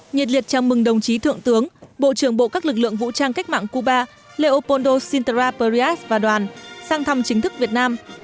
nhiệt liệt chào mừng đồng chí thượng tướng bộ trưởng bộ các lực lượng vũ trang cách mạng cuba lêopoldo sintara perias và đoàn sang thăm chính thức việt nam